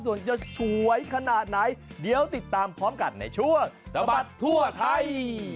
ส่วนจะสวยขนาดไหนเดี๋ยวติดตามพร้อมกันในช่วงสะบัดทั่วไทย